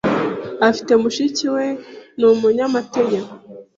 afite mushiki we ni umunyamategeko.